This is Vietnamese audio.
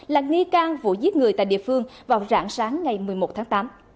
là nghi can vụ giết người tại địa phương vào rạng sáng ngày một mươi một tháng tám